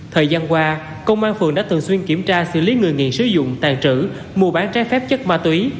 thời gian qua công an phường đã thường xuyên kiểm tra xử lý người nghiện sử dụng tàn trữ mua bán trái phép chất ma túy